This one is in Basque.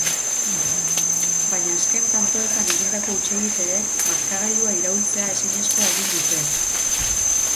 Baina azken tantoetan egindako hutsegiteek markagailua iraultzea ezinezko egin dute.